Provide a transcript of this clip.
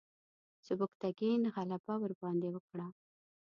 سبکتګین غلبه ورباندې وکړه.